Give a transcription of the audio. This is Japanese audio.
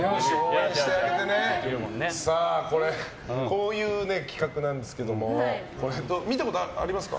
こういう企画なんですけど見たことありますか？